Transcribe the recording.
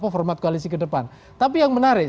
format koalisi ke depan tapi yang menarik